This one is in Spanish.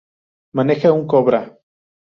Maneja un Cobra.